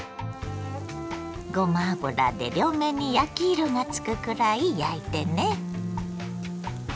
ごま油で両面に焼き色がつくくらい焼いてね。